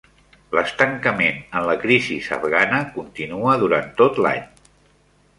L'estancament en la crisis afgana continua durant tot l'any.